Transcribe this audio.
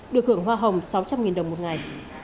được hưởng hoa hồng sáu trăm linh đồng một ngày